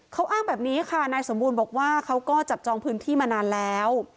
เขาอ้างแบบนี้ค่ะนายสมบูรณ์บอกว่าเขาก็จับจองพื้นที่มานานแล้ว